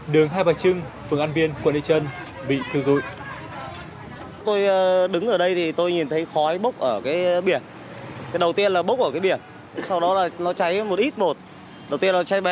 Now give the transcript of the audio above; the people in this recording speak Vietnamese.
đường hai bà trưng phường an viên quận lê trân bị thiêu dụi